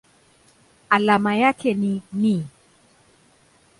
Alama yake ni Ni.